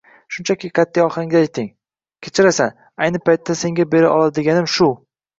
Shunchaki qat’iy ohangda ayting: “Kechirasan, ayni paytda senga bera oladiganim shu”.